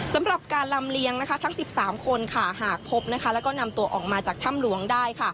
สำหรับการลำเลียงทั้ง๑๓คนหากพบแล้วก็นำตัวออกมาจากถ้ำหลวงได้